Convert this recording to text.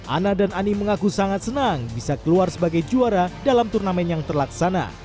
ana dan ani mengaku sangat senang bisa keluar sebagai juara dalam turnamen yang terlaksana